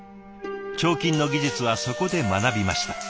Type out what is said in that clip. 彫金の技術はそこで学びました。